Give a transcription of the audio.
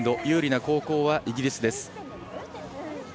有利な後攻はイギリスです。